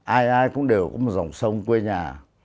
ai ai cũng đều có một dòng sông quê nhà